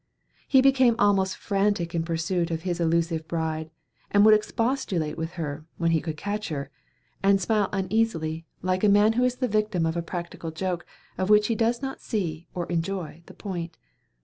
He became almost frantic in pursuit of his elusive bride, and would expostulate with her, when he could catch her, and smile uneasily, like a man who is the victim of a practical joke of which he does not see, or enjoy, the point.